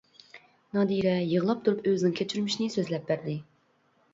نادىرە يىغلاپ تۇرۇپ ئۆزىنىڭ كەچۈرمىشىنى سۆزلەپ بەردى.